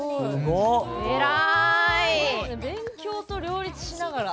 勉強と両立しながら。